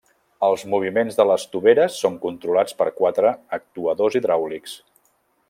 Els moviments de les toveres són controlats per quatre actuadors hidràulics.